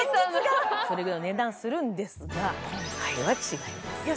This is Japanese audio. それぐらい値段するんですが、今回のは違います。